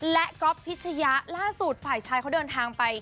และก๊อฟพิชยะล่าสุดฝ่ายชายเขาเดินทางไป